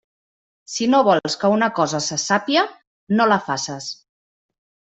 Si no vols que una cosa se sàpia, no la faces.